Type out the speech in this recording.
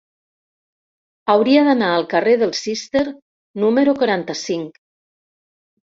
Hauria d'anar al carrer del Cister número quaranta-cinc.